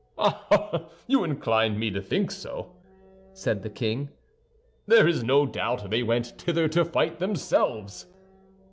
"Ah, ah! You incline me to think so," said the king. "There is no doubt they went thither to fight themselves."